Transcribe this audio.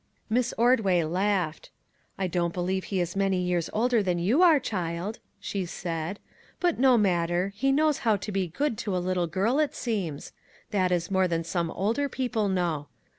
Miss Ordway laughed. " I don't believe he is many years older than you are, child," she said ;" but, no matter, he knows how to be good to a little girl, it seems. That is more than some older people know.